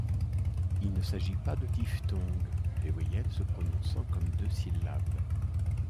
Il ne s'agit pas de diphtongues, les voyelles se prononçant comme deux syllabes.